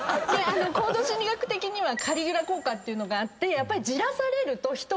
行動心理学的にはカリギュラ効果っていうのがあって。